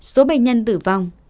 số bệnh nhân tử vong